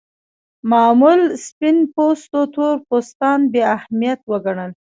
معمول سپین پوستو تور پوستان بې اهمیت وګڼل.